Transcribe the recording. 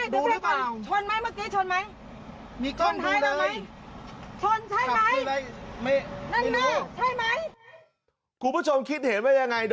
ผมมีกล้องครับผมขับอะไร